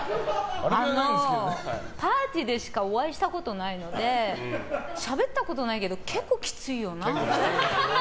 あのパーティーでしかお会いしたことないのでしゃべったことないけど結構きついよな。